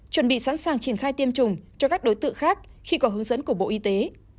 chuẩn bị sẵn sàng triển khai tiêm chủng cho các đối tượng khác khi có hướng dẫn của bộ y tế